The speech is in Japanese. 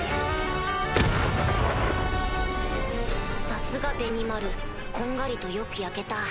さすがベニマルこんがりとよく焼けた。